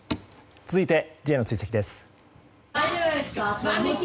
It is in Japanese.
続いて、Ｊの追跡です。